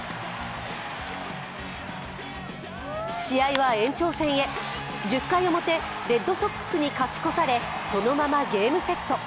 試合は延長戦へ、１０回表、レッドソックスに勝ち越され、そのままゲームセット。